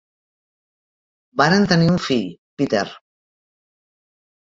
Varen tenir un fill, Peter.